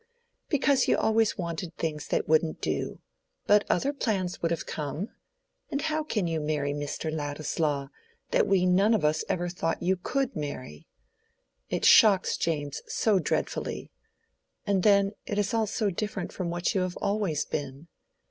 "Because you always wanted things that wouldn't do. But other plans would have come. And how can you marry Mr. Ladislaw, that we none of us ever thought you could marry? It shocks James so dreadfully. And then it is all so different from what you have always been.